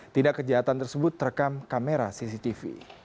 tindak kejahatan tersebut terekam kamera cctv